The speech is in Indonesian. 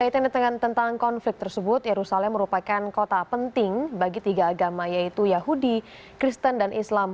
di tengah tentang konflik tersebut yerusalem merupakan kota penting bagi tiga agama yaitu yahudi kristen dan islam